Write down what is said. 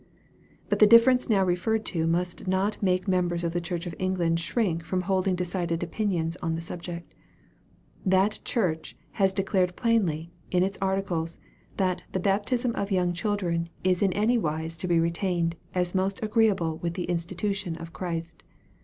But the difference now referred to must not make members of the Church of England shrink from holding decided opinions on the subject. That church has de clared plainly, in its Articles, that " the baptism of young children is in any wise to be retained, as most agreeable with the institution of Christ."